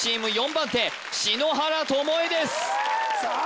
番手篠原ともえですさあ